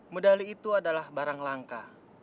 medali itu adalah barang langka